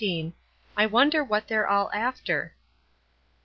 "I WONDER WHAT THEY'RE ALL AFTER!"